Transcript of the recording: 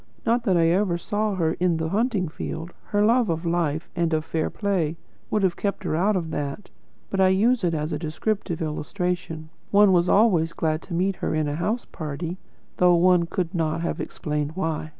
Not that I ever saw her in the hunting field; her love of life and of fair play would have kept her out of that. But I use it as a descriptive illustration. One was always glad to meet her in a house party, though one could not have explained why.